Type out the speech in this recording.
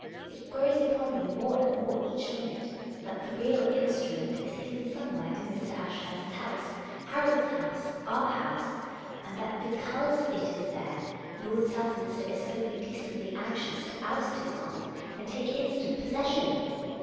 It grows upon me more and more each minute that the real iu \VE SHALL HAVE IIIM IN OUR I'OWER. strument is hidden .somewhere in Mr. A.shunst's house — Harold's house — our house; and that because it is there Lord Southminster is so indecently anxious to oust his aunt and take instant possession."